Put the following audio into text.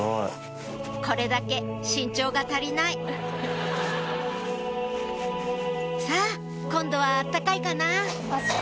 これだけ身長が足りないさぁ今度は温かいかな？